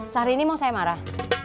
sehari ini mau saya marah